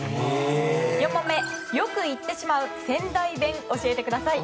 ４問目よく言ってしまう仙台弁、教えてください。